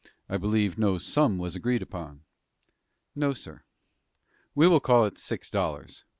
I believe no sum was agreed upon." "No, sir." "We will call it six dollars.